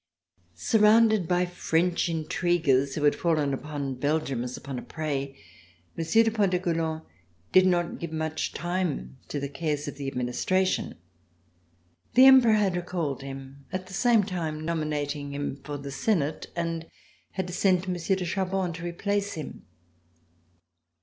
Surrounded by French Intriguers who had fallen upon Belgium as upon a prey. Monsieur de Ponte coulant did not give much time to the cares of the administration. The Emperor had recalled him, at the same time nominating him for the Senate, and RECOLLECTIONS OF THE REVOLUTION had sent Monsieur de Chaban to replace him.